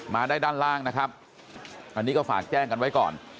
มาได้ด้านล่างนะครับอันนี้ก็ฝากแจ้งกันไว้ก่อน